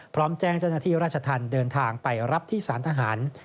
พร้อมแจ้งจันนที่ราชทันเดินทางไปรับที่สารทหาร